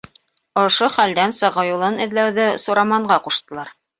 Ошө хәлдән сыгыу юлын эҙләүҙе Сураманға ҡуштылар.